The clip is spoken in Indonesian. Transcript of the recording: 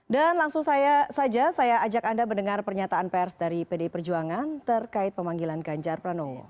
dan langsung saja saya ajak anda mendengar pernyataan pers dari bd perjuangan terkait pemanggilan ganjar pranowo